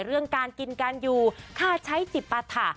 เรื่องการกินการอยู่ค่าใช้จิปฐะ